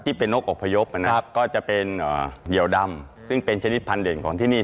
ที่เป็นนกอบพยพนะครับก็จะเป็นเหยียวดำซึ่งเป็นชนิดพันธเด่นของที่นี่